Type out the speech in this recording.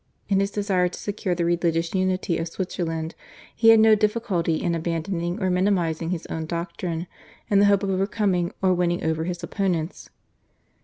In his desire to secure the religious unity of Switzerland he had no difficulty in abandoning or minimising his own doctrine in the hope of overcoming or winning over his opponents.